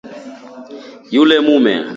Yule mume